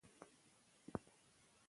د زړه محبت د انسان اختیار نه دی.